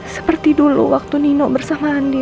seperti dulu waktu nino bersama andi